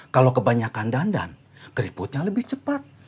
kalau kebanyakan dandan keriputnya lebih cepat